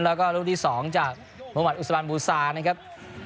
แล้วก็ลูกดวิสองจากบระบวัตรอุสาธารณ์บูชานะครับ